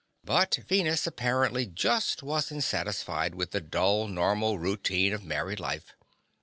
But Venus, apparently, just wasn't satisfied with the dull normal routine of married life.